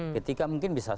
ketika mungkin bisa sebut